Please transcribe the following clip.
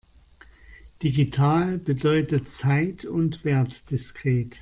Digital bedeutet zeit- und wertdiskret.